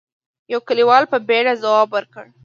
يوه کليوال په بيړه ځواب ورکړ: